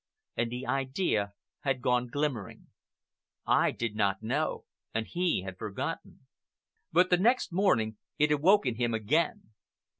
And the idea had gone glimmering. I did not know, and he had forgotten. But the next morning it awoke in him again.